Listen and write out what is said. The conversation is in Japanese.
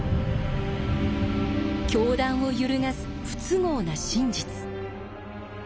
教団を揺るがす不都合な真実。